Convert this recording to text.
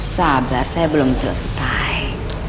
sabar saya belum selesai